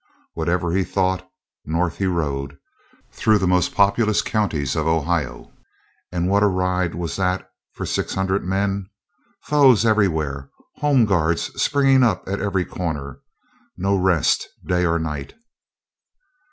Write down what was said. Whatever he thought, north he rode, through the most populous counties of Ohio. And what a ride was that for six hundred men! Foes everywhere; Home Guards springing up at every corner; no rest day or night.